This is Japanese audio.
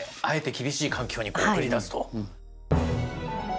あえて厳しい環境に送り出すと。